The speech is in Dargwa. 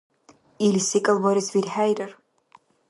Ил секӀал барес вирхӀейрар.